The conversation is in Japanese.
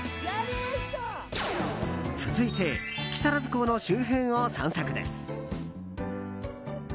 続いて木更津港の周辺を散策です。